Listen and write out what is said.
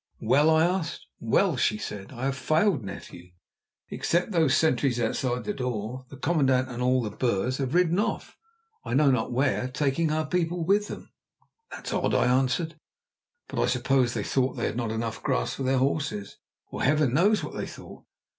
"Well?" I asked. "Well," she said, "I have failed, nephew. Except those sentries outside the door, the commandant and all the Boers have ridden off, I know not where, taking our people with them." "That's odd," I answered, "but I suppose they thought they had not enough grass for their horses, or Heaven knows what they thought.